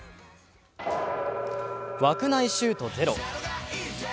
枠内シュートゼロ。